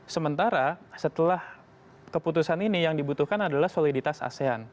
sementara setelah keputusan ini yang dibutuhkan adalah soliditas asean